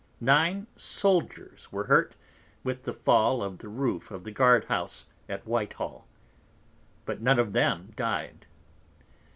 Nine Souldiers were hurt, with the Fall of the Roof of the Guard house at Whitehall, but none of them died.